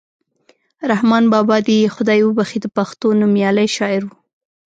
رحمان بابا دې یې خدای وبښي د پښتو نومیالی شاعر ؤ.